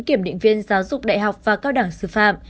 kiểm định viên giáo dục đại học và cao đẳng sư phạm